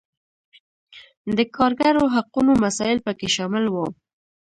د کارګرو حقونو مسایل پکې شامل وو.